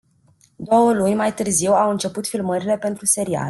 Două luni mai târziu au început filmările pentru serial.